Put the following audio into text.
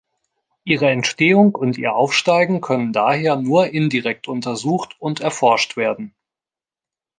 Ihre Entstehung und ihr Aufsteigen können daher nur indirekt untersucht und erforscht werden.